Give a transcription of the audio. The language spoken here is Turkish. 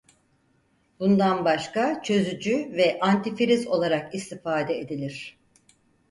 Bundan başka çözücü ve antifriz olarak istifade edilir.